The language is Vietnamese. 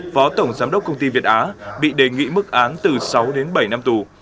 phó tổng giám đốc công ty việt á bị đề nghị mức án từ sáu đến bảy năm tù